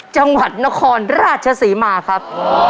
จังหวัดนครราชศรีมาครับ